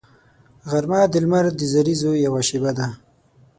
غرمه د لمر د زریزو یوه شیبه ده